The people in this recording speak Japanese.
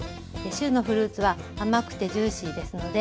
旬のフルーツは甘くてジューシーですので